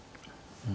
うん。